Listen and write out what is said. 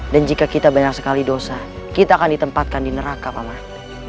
dan jika kita banyak sekali dosa kita akan ditempatkan di neraka paman